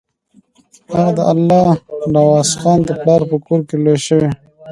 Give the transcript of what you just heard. هغه د الله نوازخان د پلار په کور کې لوی شوی.